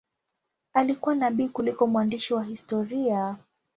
Alikuwa nabii kuliko mwandishi wa historia.